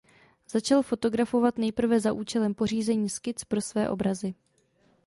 Začal fotografovat nejprve za účelem pořízení skic pro své obrazy.